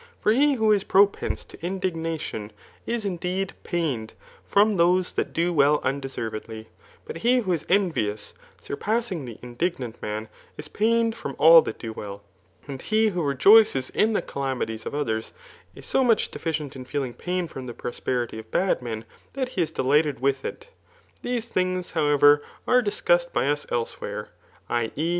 For he who is propense to indignation, is indeed pained from those that do well undeservedly ; but he who is envious, surpassing the indignant man, is pained from all that do well ; and he who rejoices in the calamities of others, is so much deficient in feeling pain [from the prosperity of bad men,] that he is delighted with it. These things, how ever, are discussed by us elsewhere, [i. e.